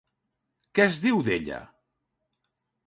Què es diu, d'ella?